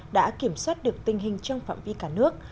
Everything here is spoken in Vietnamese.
đã kiểm soát được tình hình trong phạm vi cả nước